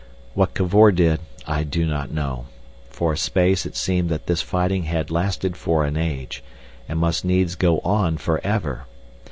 What Cavor did I do not know. For a space it seemed that this fighting had lasted for an age, and must needs go on for ever.